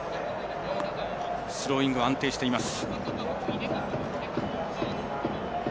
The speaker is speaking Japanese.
スローイングは安定しています。